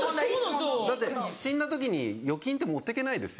だって死んだ時に預金って持ってけないですよ。